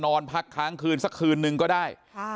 นอนพักค้างคืนสักคืนนึงก็ได้